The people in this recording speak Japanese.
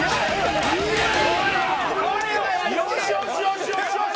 よしよしよしよし！